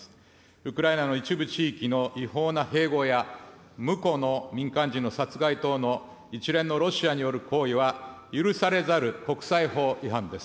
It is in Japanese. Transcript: ウクライナの一部地域の違法な併合や、むこの民間人の殺害等の、一連のロシアによる行為は、許されざる国際法違反です。